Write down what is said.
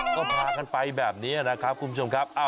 ก็พากันไปแบบนี้นะครับคุณผู้ชมครับ